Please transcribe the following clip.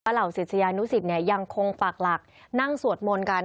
เหล่าศิษยานุสิตยังคงปากหลักนั่งสวดมนต์กัน